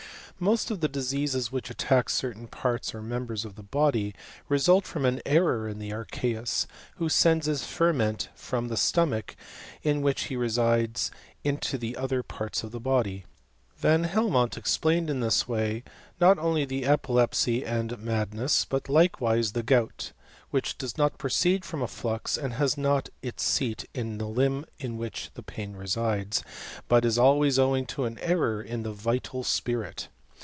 Most of the diseases which attack certain trts or members of the body result from an error the archeus, who sends his ferment from the wnach in which he resides into the other parts of e body. Van Helmont explained in this way not tly the epilepsy and madness, but likewise the gout, lich does not proceed from a flux, and has not 1 seat in the limb in which the pain resides, but always owing to an error in the vital spirit.